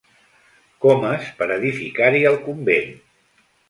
Comes, per edificar-hi el convent.